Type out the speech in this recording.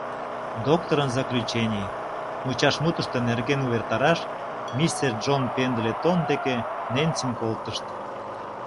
Доктырын заключений-мучашмутшо нерген увертараш мистер Джон Пендлетон дек Ненсим колтышт.